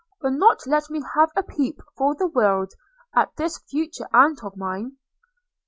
– will not let me have a peep, for the world, at this future aunt of mine!'